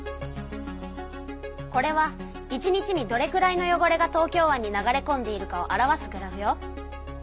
これは１日にどれくらいの汚れが東京湾に流れこんでいるかを表すグラフよ。